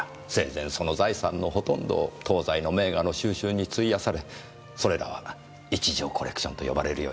生前その財産のほとんどを東西の名画の収集に費やされそれらは一条コレクションと呼ばれるようになったんです。